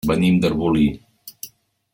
Venim d'Arbolí.